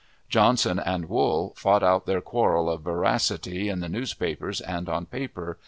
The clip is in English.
Johnson and Wool fought out their quarrel of veracity in the newspapers and on paper.